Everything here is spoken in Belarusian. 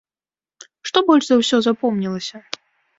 Што больш за ўсё запомнілася?